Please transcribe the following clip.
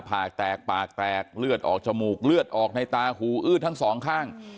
ผากแตกปากแตกเลือดออกจมูกเลือดออกในตาหูอื้อทั้งสองข้าง